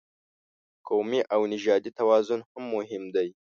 قومي او نژادي توازن هم مهم دی.